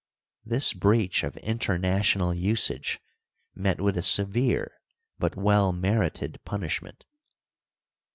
This breach of international usage met with a severe but well merited punishment.